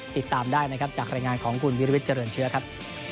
ติดตามได้นะครับจากรายงานของคุณวิรวิทย์เจริญเชื้อครับ